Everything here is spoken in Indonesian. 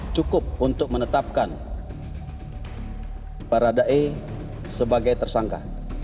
cukup untuk menetapkan para dae sebagai tersangka